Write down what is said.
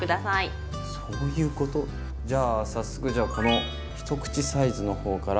じゃあ早速じゃこの一口サイズの方から。